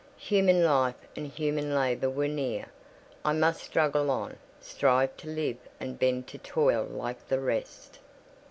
Human life and human labour were near. I must struggle on: strive to live and bend to toil like the rest.